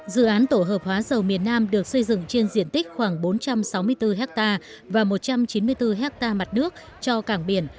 dự án tổ hợp hóa dầu miền nam được xây dựng trên diện tích khoảng bốn trăm sáu mươi bốn ha và một trăm chín mươi bốn ha mặt nước cho cảng biển